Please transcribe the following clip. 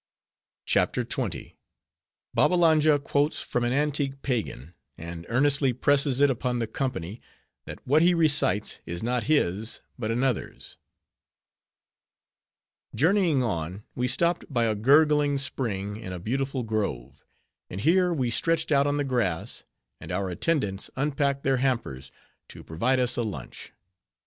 CHAPTER XX. Babbalanja Quotes From An Antique Pagan; And Earnestly Presses It Upon The Company, That What He Recites Is Not His But Another's Journeying on, we stopped by a gurgling spring, in a beautiful grove; and here, we stretched out on the grass, and our attendants unpacked their hampers, to provide us a lunch.